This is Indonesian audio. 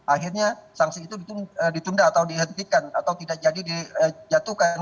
akhirnya sanksi itu ditunda atau dihentikan atau tidak jadi dijatuhkan